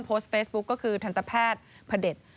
โพสต์เฟซบุ๊คก็คือทันตแพทย์พระเด็จ